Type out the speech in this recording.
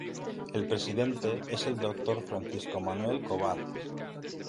El presidente es el doctor Francisco Manuel Kovacs.